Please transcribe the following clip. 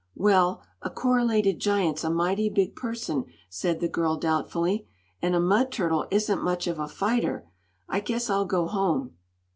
"Well, a Corralated Giant's a mighty big person," said the girl, doubtfully, "and a mud turtle isn't much of a fighter. I guess I'll go home."